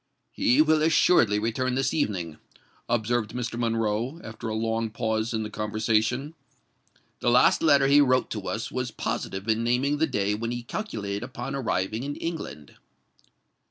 "He will assuredly return this evening," observed Mr. Monroe, after a long pause in the conversation. "The last letter he wrote to us was positive in naming the day when he calculated upon arriving in England."